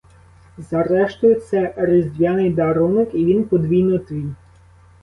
Зрештою, це різдвяний дарунок, і він подвійно твій.